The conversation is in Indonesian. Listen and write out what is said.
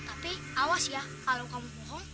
aku akan membantumu